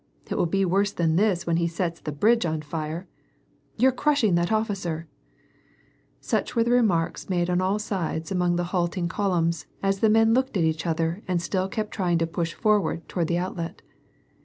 "It will be worse than this when he sets the bridge on fire." " You're crushing that officer !" Such were the remarks made on all sides among the halting eolumns, as the men looked at each other and still kept trying to push forward toward the outlet.